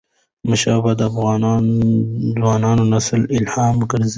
احمدشاه بابا د افغان ځوان نسل الهام وګرځيد.